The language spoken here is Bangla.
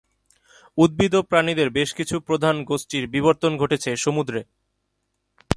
উদ্ভিদ ও প্রাণীদের বেশ কিছু প্রধান গোষ্ঠীর বিবর্তন ঘটেছে সমুদ্রে।